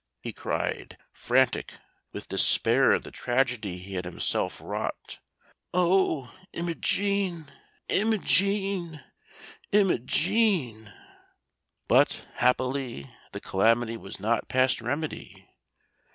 he cried, frantic with despair at the tragedy he had himself wrought. "O Imogen, Imogen, Imogen!" But, happily, the calamity was not past remedy.